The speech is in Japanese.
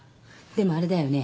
でもあれだよね。